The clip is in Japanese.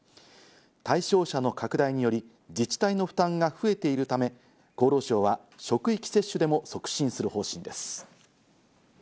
対象者の拡大により自治体の負担が増えているため、厚労省は職域接種でも促進する方針です。